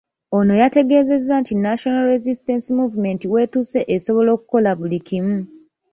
Ono yategeezezza nti National Resistance Movement w'etuuse esobola okukola buli kimu .